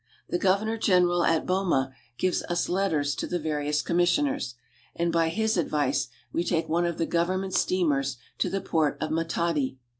The Governor General at Boma gives us letters to the various commissioners, and by his advice we take one of the government steamers to the port of Matadi.